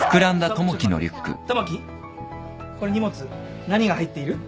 友樹これ荷物何が入っている？